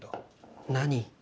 何？